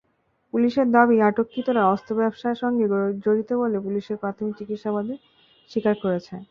পুলিশের দাবি, আটককৃতরা অস্ত্র ব্যবসার সঙ্গে জড়িত বলে পুলিশের প্রাথমিক জিজ্ঞাসাবাদে স্বীকার করেছে।